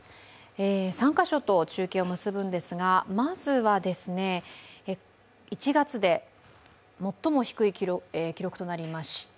３か所と中継を結ぶんですが、まずは１月で最も低い記録となりました